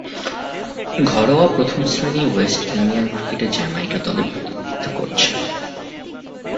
ঘরোয়া প্রথম-শ্রেণীর West Indian ক্রিকেটে জ্যামাইকা দলের প্রতিনিধিত্ব করছেন।